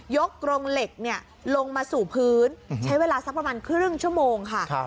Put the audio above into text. กรงเหล็กลงมาสู่พื้นใช้เวลาสักประมาณครึ่งชั่วโมงค่ะ